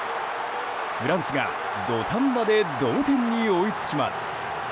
フランスが土壇場で同点に追いつきます。